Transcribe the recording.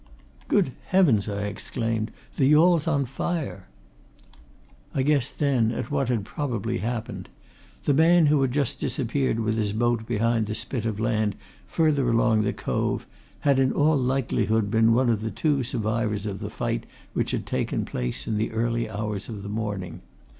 "Good heavens!" I exclaimed. "The yawl's on fire!" I guessed then at what had probably happened. The man who had just disappeared with his boat behind the spit of land further along the cove had in all likelihood been one of two survivors of the fight which had taken place in the early hours of the morning.